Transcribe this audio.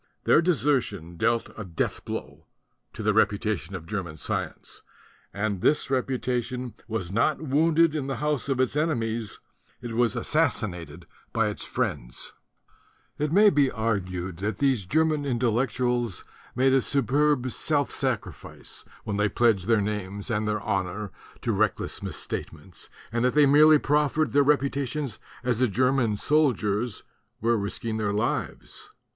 Their desertion dealt a death blow to the reputation of German science; and 'vputation was not wounded in the house of its enemies, it was assassinated by its friends. 37 THE DUTY OF THE INTELLECTUALS It may be argued that these German Intel lectuals made a superb self sacrifice when they pledged their names and their honor to reckless misstatements and that they merely proffered their reputations as the German soldiers were risking their lives.